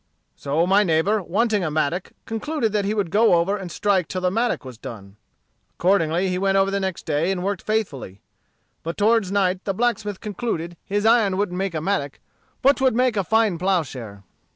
"So my neighbor, wanting a mattock, concluded that he would go over and strike till the mattock was done. Accordingly he went over the next day, and worked faithfully. But toward night the blacksmith concluded his iron wouldn't make a mattock but 'twould make a fine ploughshare.